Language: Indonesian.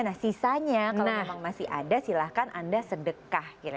nah sisanya kalau memang masih ada silahkan anda sedekah